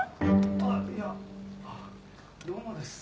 あっいやどうもです